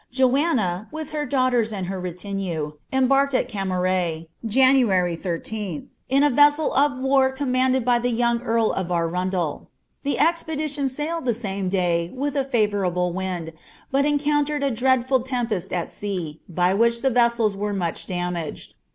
Joanna, with her dmgt l«rs and her retinue, embarked at Camaret, January 13ih, in a nmii<t war commanded by the yoting earl of Arundel.* The expedicioa mid ihe same day with a favourable wind, but encountered a dreadful lettipW &I sea, by which the vessels were much damaged.